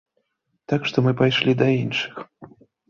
Так што мы пайшлі да іншых.